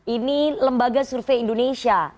ini lembaga survei indonesia